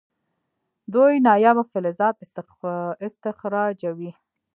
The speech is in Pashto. دوی نایابه فلزات استخراجوي.